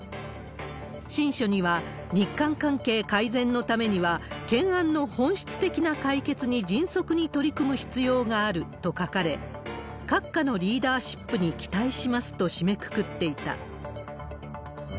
親書には、日韓関係改善のためには、懸案の本質的な解決に迅速に取り組む必要があると書かれ、閣下のリーダーシップに期待しますと締めくくっていた。